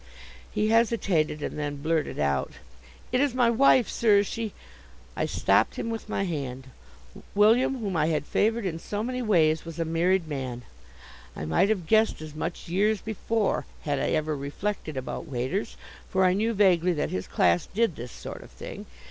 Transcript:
He hesitated, and then blurted out: "It is my wife, sir. She " I stopped him with my hand. William, whom I had favored in so many ways, was a married man! I might have guessed as much years before had I ever reflected about waiters, for I knew vaguely that his class did this sort of thing.